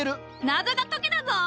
謎が解けたぞ！